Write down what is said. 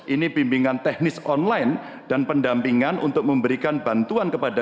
ini bimbingan teknis online dan pendampingan untuk memberikan bantuan kepada